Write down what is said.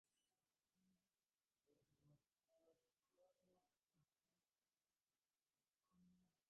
އާލިމްއާއި ހިބާ ދިޔައީ ކައިވެނި ކުރަން ތައްޔާރު ވަމުން